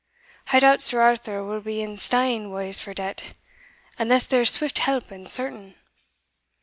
I doubt Sir Arthur will be in stane wa's for debt, unless there's swift help and certain."